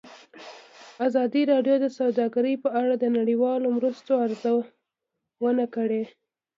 ازادي راډیو د سوداګري په اړه د نړیوالو مرستو ارزونه کړې.